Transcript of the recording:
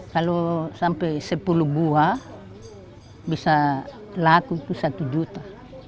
kalau sampai sepuluh buah bisa laku itu satu juta